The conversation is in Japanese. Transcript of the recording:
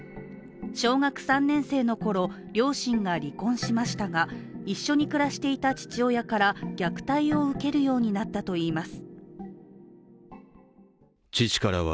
小学３年生のころ、両親が離婚しましたが一緒に暮らしていた父親から虐待を受けるようになったといいます。